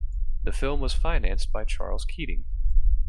The film was financed by Charles Keating.